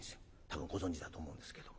多分ご存じだと思うんですけど。